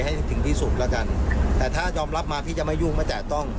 ให้ถึงที่สุดแล้วกันแต่ถ้ายอมรับมาพี่จะไม่ยุ่งไม่แตะต้อง